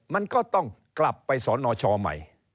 มันก็ต้องกลับไปสนชใหม่